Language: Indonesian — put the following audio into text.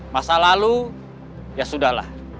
masa lalu ya sudahlah